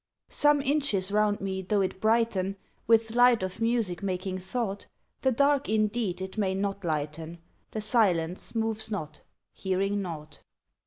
Some inches round me though it brighten With light of music making thought, The dark indeed it may not lighten, The silence moves not, hearing nought.